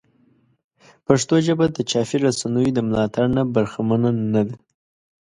پښتو ژبه د چاپي رسنیو د ملاتړ نه برخمنه نه ده.